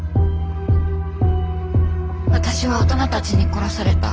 私は大人たちに殺された。